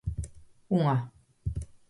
Unha.